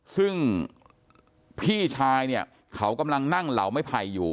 ซึ่งพี่ชายเนี่ยเขากำลังนั่งเหล่าไม้ไผ่อยู่